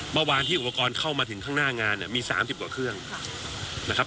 เมื่อวานที่อุปกรณ์เข้ามาถึงข้างหน้างานเนี่ยมี๓๐กว่าเครื่องนะครับ